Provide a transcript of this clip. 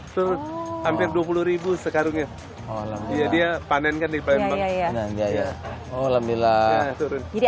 itu hampir rp dua puluh sekaligus dia panenkan di perempuan ya ya ya ya oh alhamdulillah jadi